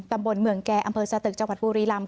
ตำบลเมืองแก่อำเภอสตึกจังหวัดบุรีลำ